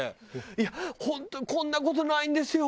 「いや本当にこんな事ないんですよ」